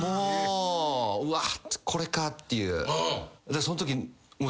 うわこれかっていう。